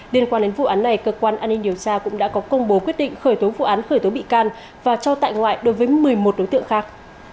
liên quan đến vụ án này cơ quan an ninh điều tra cũng đã có công bố quyết định khởi tố vụ án khởi tố bị can và cho tại ngoại đối với một mươi một đối tượng khác